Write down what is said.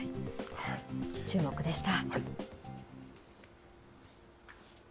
チューモク！でした。